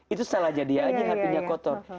itu salah jadi aja hatinya kotor